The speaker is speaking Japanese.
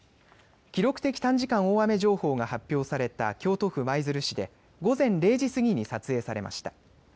記録的短時間大雨情報が発表された京都府舞鶴市で午前０時過ぎに撮影されました。